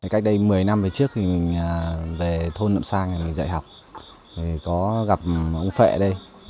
cách đây một mươi năm về trước thì mình về thôn nậm sang mình dạy học có gặp ông vệ đây